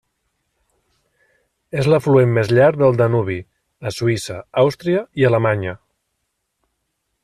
És l'afluent més llarg del Danubi a Suïssa, Àustria i Alemanya.